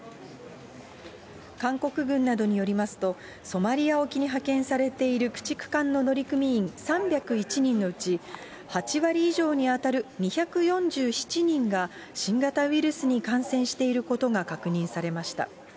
韓国軍などによりますと、ソマリア沖に派遣されている駆逐艦の乗組員３０１人のうち８割以上に当たる２４７人が、新型ウイルスに感染していることが確認されました。